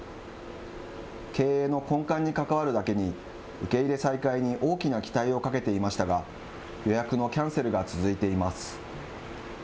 経営の根幹に関わるだけに、受け入れ再開に大きな期待をかけていましたが、予約のキャンセルが続いています。